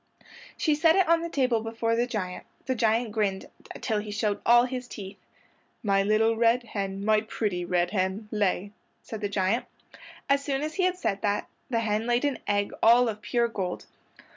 She set it on the table before the giant. The giant grinned till he showed all his teeth. "My little red hen, my pretty red hen, lay," said the giant. As soon as he said that the hen laid an egg all of pure gold.